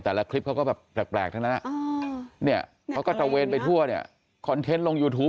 คลิปเขาก็แบบแปลกทั้งนั้นเนี่ยเขาก็ตระเวนไปทั่วเนี่ยคอนเทนต์ลงยูทูป